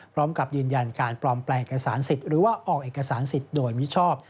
พร้อมกับยืนยันการปลอมแปลงเอกสารสิทธิ์หรือว่าออกเอกสารสิทธิ์โดยมิชอบ